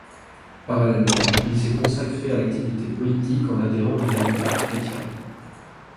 Parallèlement il s'est consacré à l'activité politique en adhérant aux démocrates-chrétiens.